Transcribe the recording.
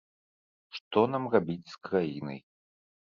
Што нам рабіць з краінай.